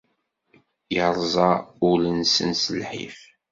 Irẓa ul-nsen s lḥif.